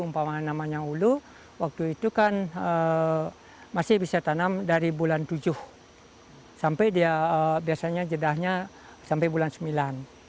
umpama namanya ulu waktu itu kan masih bisa tanam dari bulan tujuh sampai dia biasanya jedahnya sampai bulan sembilan